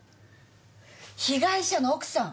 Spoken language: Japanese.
被害者の奥さん！